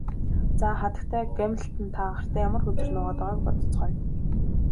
За хатагтай Гамильтон та гартаа ямар хөзөр нуугаад байгааг бодоцгооё.